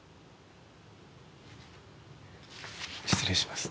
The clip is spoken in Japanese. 失礼します。